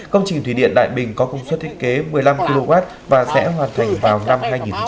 công trình thủy điện đại bình có công suất thiết kế một mươi năm kw và sẽ hoàn thành vào năm hai nghìn hai mươi